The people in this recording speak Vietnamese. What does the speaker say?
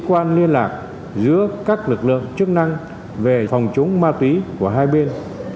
quan liên lạc giữa các lực lượng chức năng về phòng chống ma túy của hai bên